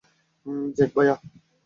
Jack, ভায়া।